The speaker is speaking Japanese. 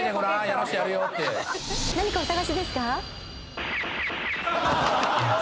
何かお探しですか？